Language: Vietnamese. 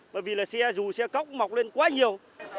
bởi vì là xe dù xe cóc mọc lên quá nhiều